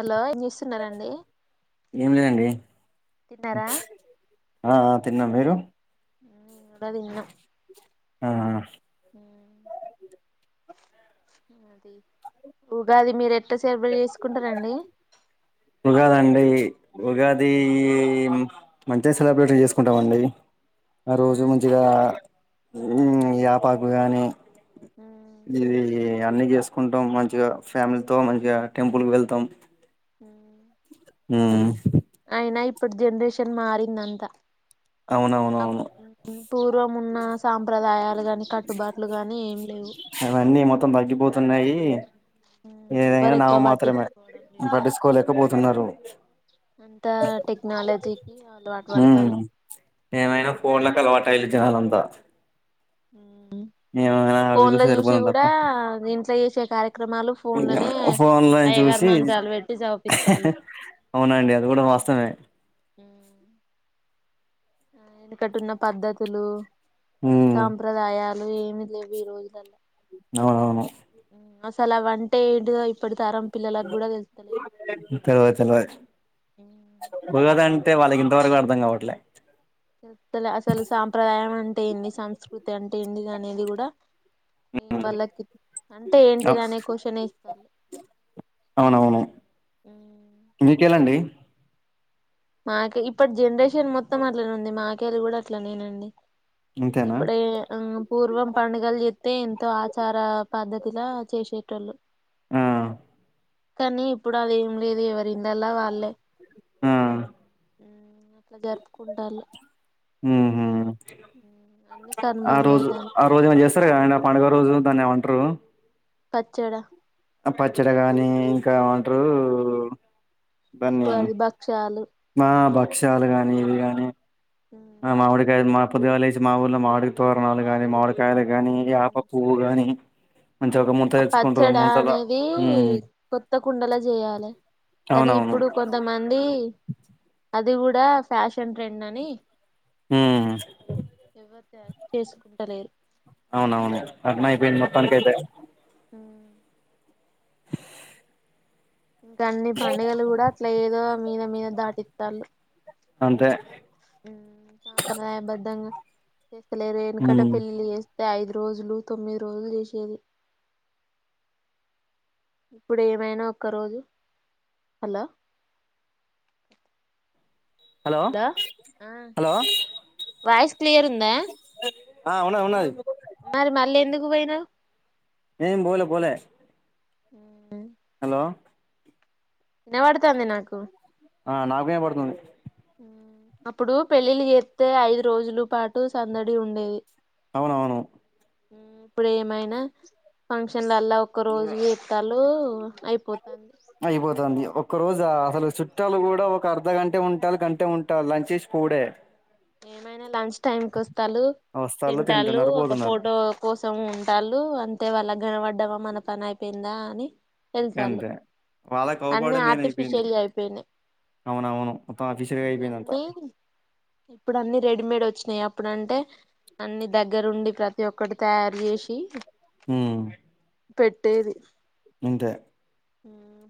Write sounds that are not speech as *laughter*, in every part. Hello ఏం చేస్తున్నారండి ఏం లేదండి తిన్నారా ఆ ఆ తిన్నాం మీరు ద విన్నం ఆ అది ఉగాది మీరు ఎట్లా సేలప చేసుకుంటారండి ఉగాది అండి ఉగాది మంచిగా సెలబ్రేషన్ చేసుకుంటామండి ఆ రోజు మంచిగా ఊమ్ యాపాకుగాని ఇది అన్ని చేస్త కుంటాం మంచిగా ఫ్యామిలీతో మంచిగా టెంపుల్కి వెళ్తాం ఊ అయినా ఇప్పుడు జనరేషన్ మారిందంతా అవునవునవును పూర్వం ఉన్న సాంప్రదాయాలు గాని కట్టుబాట్లు గాని ఏం లేవు అవన్నీ మొత్తం తగ్గిపోతున్నాయి ఎవరు ఏదైనా నావ ఎక్కువ మాత్రమే పట్టించుకోవడం లేదు పట్టిుకోలేకపోతున్నారు అంతా టెక్నాలజీకి అలవాటు ఉమ్ పడతాలు నంద ఉ అవి ఫోన్ లో చూసి సరిపోతుంది కూడా తప్ప ఇంట్లో చేసే కార్యక్రమాలు ఫోన్ లోనే ఫోన్లని అయ్యగారి చూసి మంత్రాలు పెట్టి చవిపిత్తాలు అవునండి అది గూడా వాస్తవమే హ ఆ ఎనకటున్న పద్ధతులు ఉమ్ సాంప్రదాయ ఏమి లేవు ఈ రోజులల అవునవును మసాలా వంటే ఏంటిదో ఇప్పుడు చ చలదా *inaudible* అయితే వాళ్ళకి ఇంతవరకు అర్థం కావట్లే చెల అసలు సంంప్రదాయం టే ఏంది సంస్కృతి అంటే ఏంది అనేది గూడా వాళ్ళకి అంటే అ ఏంటిది అనే క్వశ్చనేస్తరు అవునవును మీకేలండి మాకే ఇప్పటి జనరేషన్ మొత్తం అట్లనే ఉంది మాకేళ కూడా అట్లనేనండి అంతేనా ఇప్పుడే ఆ పూర్వం పండుగల్ జేత్ తే ఎంతో ఆచార పద్ధతిలా చేసేటోళ్ళు ఆ కానీ ఇప్పుడు అదేం లేదు ఎవఇన్లళ్ల వాళ్ళే ఊమ్ అట్ల జరుపుకుంటళు ఊహు ఆ రోజు కనుమరుగైతాను ఆ రోజు చేస్తరు కద ఆ పండుగ రోజు దాన్ని ఏమంటారు పచ్చడా పచ్చడి గాని ఇంకా ఏమంటరు ఉగాది భక్షాలు మా భక్ష్యాలు గాని ఇవి గాని ఆ ఉమ్ మామిడి కాయలు పొదుగాలేచి మా ఊర్లో మావిడి తోరణాలు గానీ మాడ్ కాని గాని యాప పువ్వు గాని మంచిగా ఒక ముంత ఆ తెచ్చుకుంటారు పచ్చడా ముంతల అనేదీ ఉమ్ కొత్త కుండలా చేయాలి కానీ అవునవును ఇప్పుడు కొంతమంది అది కూడా ఫ్యాషన్ ట్రెండ్ అని హమ్ ఎవరు చేసుకుంటలేరు అవునవును అగ్నైపోయిన్ది మొత్తానికైతే హ ఇంకా అన్ని పండుగలు గూడా అట్ల ఏదో మీద మీద దాటితాలు అంతే న్యాయబద్దంగా చేస్తలేరు వెనుకట ఉమ్ పెళ్లి ఐదు రోజులు తొమ్మిది రోజులు చేసేది ఇప్పుడు ఏమైనా ఒక్క రోజు అలా హలో హద ఆ హలో వాయిస్ క్లియర్ ఉందా ఆ ఉన్నది ఉన్నది మరి మళ్ళీ ఎందుకు పోయినౌ నేన్ బోలే పోలే ఉం హలో. వినబడుతంది నాకు ఆ నాకు వినపడుతుంది అప్పుడు పెళ్ళిళ్లు చేత్తే ఐదు రోజులు పాటు సందడి ఉండేది అవునవును ఇప్పుడు ఏమైనా ఫంక్షన్ లల్ల ఒక రోజు చేత్తళ్ళు అయిపోతంది అయిపోతుంది ఒక్క రోజా అసలు చుట్టాలు కూడా ఒక అర్ధ గంటే ఉంటాళ్లు గంటే ఉంటళ్లు లంచ్ చేసి పోవుడే ఏమైనా లంచ్ టైమ్ కుస్ త్తళ్ళు వస్తాళ్ళు తింటళ్లు తింటున్నారు ఒక పోతున్నారు ఫోటో కోసం ఉంటాలు అంతే వాళ్ళ నీలవడ్డమా మన పని అయిపోయింది దాని అంతే వాళ్ళకవపడం మెయిన్ అయిపోయింది ఆర్టిఫిషియల్ అయిపోయినాయి అవునవును మొత్తం అఫీషియల్ అయిపోయింది అంత అన్ని ఇప్పుడు అన్ని రెడీమేడ్ వచ్చినాయి అప్పుడు అంటే అన్ని దగ్గరుండి ప్రతి ఒక్కటి తయరుచేసీ ఉమ్ పెట్టేది అంతే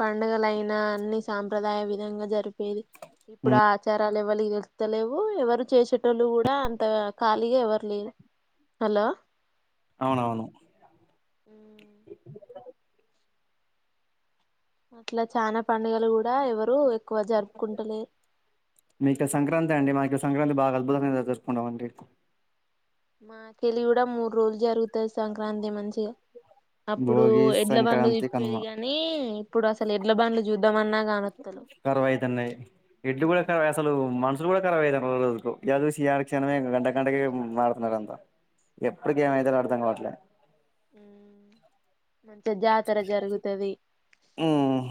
పండుగలయినా అన్ని సాంప్రదాయ విధంగా జరుప్ ఏది ఇప్పుడు ఉమ్ ఆచారా ఎవలికి తెళ్తలేవు ఎవరు చేసేటోళ్ళు కూడా అంత ఖాళీగా ఎవరు లేరు హలో అవునవును. ఉమ్ అట్లా చానా పండుగలు కూడా ఎవరు. ఎక్కువ జరుపుకుంటలేరు మీక సంక్రాంతి అండి మాకు సంక్రాంతి బాగా అద్భుతంగా జరుపుకుంటాం అండి. మాకెళ్ళీ కూడా మూడు రోజులు జరుగుతాయి సంక్రాంతి మంచిగా అపుడు భోగి ఎడ్ల బండ్లు సంక్రాంతి కనుమ తిప్పేది గానీ ఇపుడు అసలు ఎడ్ల బండ్లు చూద్దాంమన్నా. కరవైతున్నాయి ఎడ్లు కూడా క అసలు మా కూడా కరాబ్ అ రోజుదో స క్షణమే గంట గంటకి మడుతున్నారు అంతా ఎప్పుడు ఏమి అయితే ఆడుతాం కాబట్లే మంచిగా జాతర జరుగుతది ఉమ్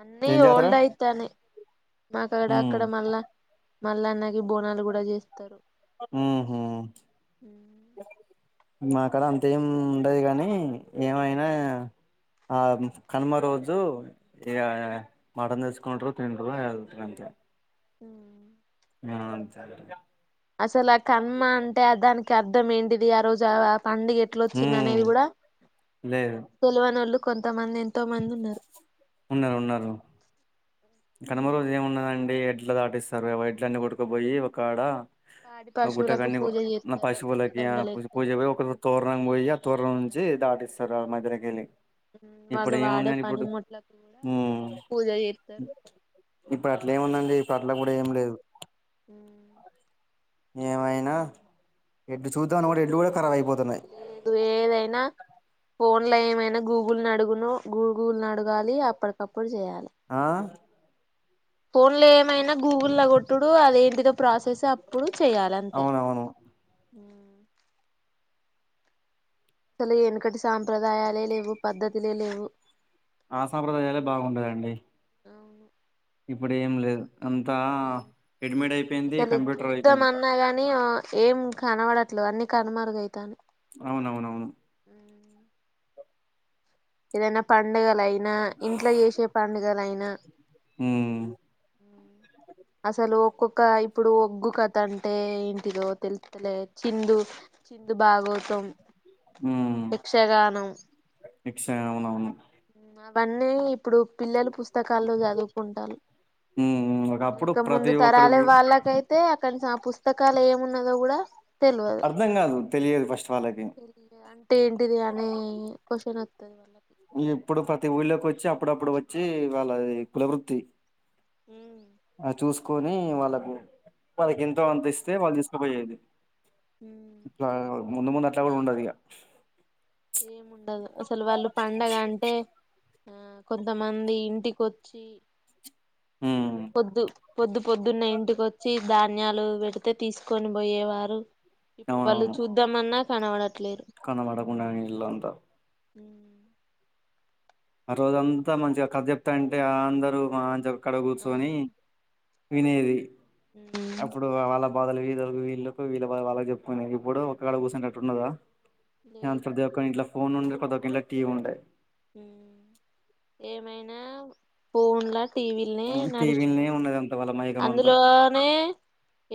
అన్నీ ఏం జాతర ఓల్డ్ అయితనై మాకాడ ఉమ్ అక్కడ మళ్ళా మల్లన్నకి బోనాలు కూడా చేస్ ఉహు మా కాడ అంత ఏం ఉండడు కాని ఏమైనా ఆ కనుమ రోజు ఇగ మటన్ తెచ్చుకుంటారు తింటరు వెళ్తారు అంతే. మ్మ్ అ అంతేలేండి అసలు ఆ కన్మ అంటే దానికి అర్ధం ఏంటిది ఆ రోజు ఆ అవ్ పండుగ ఎట్లా వచ్చింది ఉమ్ అనేది కూడా లేదు తెలవనోళ్లు కొంతమంది మంది ఉన్నారు ఉన్నారు ఉన్నారు కనుమ రోజు ఏముండదండి యాడ్ ఇల్లుదాటిస్తారు వడ్లన్నీ పటుకుపోయి ఒకాడ పాడి ఆ పశువులకు గుట్టకాన్ని పూజ నా చేస్తారు పసిపోలకి ఆ పూలదండలు పు పూజ ఎత్తారు పోయి ఒక తోరనికి పోయి తోరం జె దాడిస్ సర మధ్యాలేకెళ్ళి మ్మ్ వాళ్ళు వాడే పని ముట్లకు కూడా ఉమ్ పూజ చేస్తారు. ఇప్పుడు అట్లే ఏముందండి ఇప్పు అట్ల కూడా ఏమి లేదు. ఏమైనా ఎడ్డు చూద్దాను కూడా ఎడ్లు కూడా ఖరాబ్ అయిపోతున్నాయి లేదు ఏదైనా. ఫోన్ లో ఏమైనా గూగుల్ని అడుగును గూ గూగుల్ అడగాలి అప్పటికప్పుడు చేయాలి ఆ ఫోన్లో ఏమైనా గూగుల్లో కొట్టుడు అదేంటిదో ప్రాసెస్. అప్పుడు చెయాలంతే అవునవును మ్మ్ అసలు వెనుకటి సాంప్రదాయాలే లేవు, పద్ధతులే లేవు. ఆ సాంప్రదాయాలే బాగుండేది అండి ఇప్పుడు ఏం లేదు అంతా ఎడ్మిడ్ అయిపోయింది అసలు కంప్యూటర్ అయిపోయింది అంత. చూద్దామన్నా గాని ఏం కనబడట్లే అన్ని కనుమారుగయితాన్నాయి అవునవునవును ఏదైనా పండుగలయినా ఇంట్లో చేసే పండుగలయినా. మ్మ్ అసలు ఒక్కొక్క ఇప్పుడు ఒగ్గు కథ అంటే ఏంటిదో తెలుత్తలే చిందు చిందు బాగోతాం ఉమ్ యక్షగానం నిక్ష అవునవును మ్మ్ అవన్నీ ఇప్పుడు పిల్లలు పుస్తకాల్లో చదువుకుంటాలు ఉమ్ ఉమ్. ఒకప్పుడు ఇంకా ముందు ప్రతి ఒక్కరి తరాలే ఊ- వాళ్ళకైతే అయితే అక్కడి ఆ పుస్తకాలు ఏమున్నదో కూడా తెల్వదు అర్థం కాదు తెలియదు ఫస్ట్ వాళ్ళకి తెలీదు అంటే ఏంటిది అనే క్వశ్చన్ వత్ తెల్వని ఇప్పుడు ప్రతి ఊళ్ళోకి వచ్చి అప్పుడప్పుడు వచ్చి వాళ్ళది కులవృత్తి మ్మ్ ఆ చూసుకొని వాళ్ళకు వాళ్ళకి ఎంతో అంత ఇస్తే వాళ్ళు తీసుకుపోయేది హూ ఉ ఇట్లా ముందు ముందు అట్ల గూడ ఉండదిక ఏముండదు అసలు వాళ్ళు పండగ అంటే ఆ కొంతమంది ఇంటికి ఒచ్చి ఉమ్ పొద్దు పొద్దు పొద్దున్న ఇంటికొచ్చి దాని పుణ్యాలు పెడితే తీసుకొని పోయేవారు ఇప్పుడు వాళ్ళు చూద్దామన్నా ఛానవడు కనపడకుండానే ఇల్లు అంత ఉ ఆ రోజంతా మంచిగా కథ చెప్తా అంటేఆ అందరు చె అక్కడ ఆ కూర్సొని వినేది అప్పుడు వాళ్ళ బాధలు వీధలు వీళ్ళకు వీళ్ళ బాధలు వాళ్లకు చెప్పుకుని ఇప్పుడు ఒకక్కడ కూర్చనేటట్టున్నదా లేదు ప్రతిఒక్కరి ఇంట్ల ఫోన్ ఉండే ప్రతిఒక్క ఇంట్లకు టీవీ వుంటాయి ఏమైనా ఫోన్ల టీవీలని టీవీలనే నడిచిపోతాం ఉన్నది అంతా వాళ్ళ మైకం అంతా అందులోనే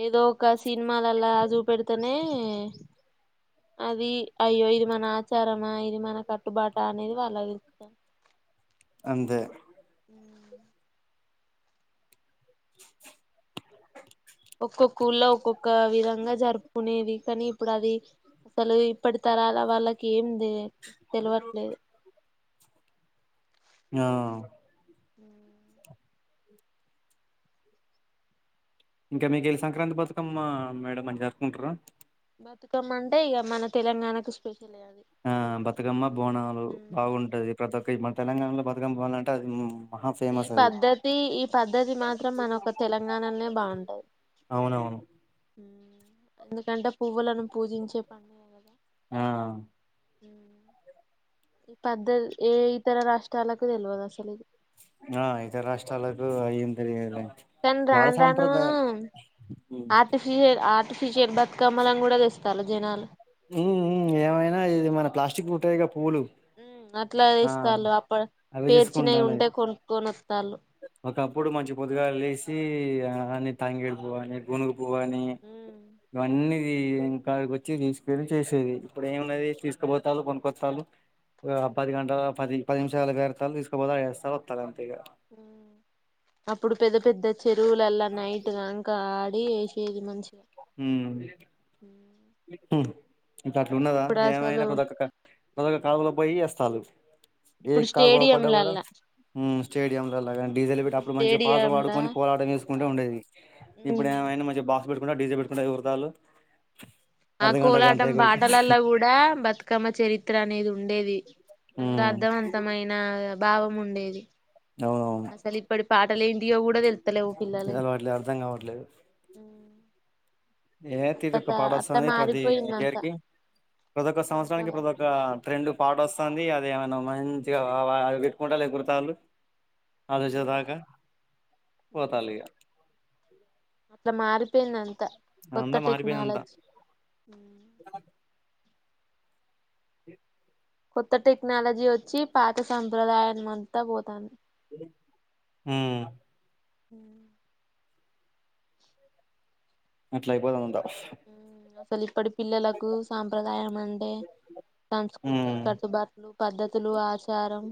ఏదో ఒక సినిమాలలా చూ పెడితేనే అది అయ్యో ఇది మన ఆచారమా ఇది మన కట్టుబాట అనేది వా లా అంతే ఒక్కొక్ స్కూల్ల్లో ఒక్కొక్క విధంగా ఇంగ జరుపుకునేది కానీ ఇప్పుడు అది అసలు ఇప్పటి తరాల వాళ్ళకి ఏం తే తెలివట్లేదు ఆ ఉ ఇంకా మీక వెళ్ళి సంక్రాంతి బతుకమ్మ మేడం అని జరుకుంటారు బతుకమ్మంటే ఇక మన తెలంగాణకు స్పెషల్ ఆ బతుకమ్మ బోనాలు బాగుంటాది ప్రతి ఒక్క మంత్ తెలంగాణలో బతుకమ్ పోవాలంటే అది హ్మ్ ఈ పద్ధతి ఈ పద్ధతి మాత్రం మనక తెలంగాణలోనే బాగుంటాది అవునవును ఎందుకంటే పువ్వులను పూజించే పండుగ కదా ఆ హ్మ్ ఈ పెద్ద ఏ ఇతర రాష్ట్రాలకు తెల్వదు అసలు ఆ ఇతర రాష్ట్రాలకు అయంతరి తను రాను రాను ఉమ్ ఆర్టిఫి శిషి బతుకమ్మలను కూడా తె మ్ మ్ ఏమైనా ఇది మనకి లాస్ట్ బుతాయి పూలు ఉమ్ అట్లా ఆ తెస్తాలు అప్ప అవి పేర్చినవి తీసుకుంటాలే ఉంటే కొనుక్కొని వత్తాలు ఒకప్పుడు మంచి పొదుగాలు లేసి దాని తాంగేడు పూవు అనీ గును పోవని ఇవన్నీ ఈ క్కడికి వచ్చి తీసుకళ్ళ చేసేది, ఇప్పుడు ఏమిన్నది తీసుకుపోతాలు పనుకొస్తాలు, పది గంటల పది పది నిమిషాలు వేరతాలు తీసుకుపోతా వేస్తారు వస్తా అంతేగా, అప్పుడు పెద్ద పెద్ద చెరువులలా నైట్ దాంక ది వేసేది మంచి మ్ మ్ ఇంత అట్లు ఉన్నదా ఇప్పుడు ఏమైనా అసలు ప్రక్క ప్రక్క కాలులో పోయి వేస్తాలు ఏ ఇప్పుడు కాలు పో పడ్డా కూడా, స్టేడియంలలా స్టేడియం లోలా డీజలు పెట్టి ఇప్పుడు అప్పుడు మంచిగా పాట స్టేడియంలా పాడుకొని కోలాట వేసుకుంటే ఉండేది, ఇప్పుడు ఏమైనా మంచిగా బాగా అప్పుడు కూడా డీజే ఇకు ఎరతాలు ఆ కోలాటం పాటలలో కూడా బతుకమ్మ చరిత్ర అనేది ఉండేది అందులో ఉమ్ అర్ధవంతమైన భావం ఉండేది అవునవును అసలు ఇప్పటి పాటలు ఏంటియో కూడా తెలుతలేవు పిల్లలకి అలవాట్లేదు అర్థం కావట్లేదు ఏ అట్ట తీరుకు పాడ అట్లా వస్తుంది ప్రతి ఇయర్ మారిపోయిందంతా కీ ప్రతి ఒక్క సంవత్సరానికి సాంప్రదా ప్రతి ఒక్క ఫ్రెండ్ పాట వస్తుంది అది ఏమైనా మంచిగా అ పెట్టుకుంటా ఎగురతళ్ళు అద చతాక పోతాలిగా అట్లా మారిపోయిం తా కొత్త అంతా మారిపోయింది అంతా టెక్నాలజీ కొత్త టెక్నాలజీ వచ్చి పాత సంప్రదాయం అంతా పోతాంది మ్ అట్లా అయిపోయిది అంత వెలిపడి పిల్లలకు సాంప్రదాయం అంటే సంస్కృతి ఉమ్ కట్టుబాట్లు పద్ధతులు ఆచారం